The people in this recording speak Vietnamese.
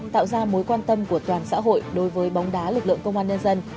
tạo ra mối quan tâm của toàn xã hội đối với bóng đá lực lượng công an nhân dân